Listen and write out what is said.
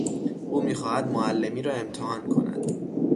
او میخواهد معلمی را امتحان کند.